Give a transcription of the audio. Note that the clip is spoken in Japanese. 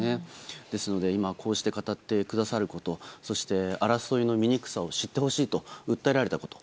ですので今こうして語ってくださることそして、争いの醜さを知ってほしいと訴えられたこと。